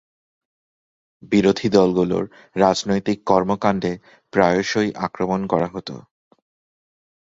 বিরোধী দলগুলোর রাজনৈতিক কর্মকাণ্ডে প্রায়শই আক্রমণ করা হত।